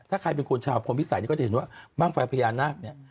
ถ้าใครเป็นคนชาวพลพิสัยนี่ก็จะเห็นว่าบ้างไฟพญานาคเนี่ย